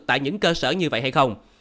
tại những cơ sở như vậy hay không